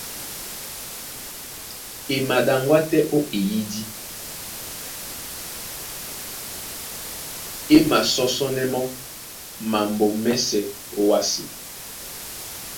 E maɗaŋgwá tɛ́ ó ó eyídí, e masɔ́sɔ́nɛ́ mɔ́ mambo mɛ́sɛ̄ ówásē.